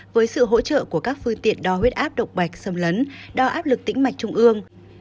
với sự hỗ trợ của các phương tiện đo huyết áp động mạch xâm lấn đo áp lực tĩnh mạch trung ương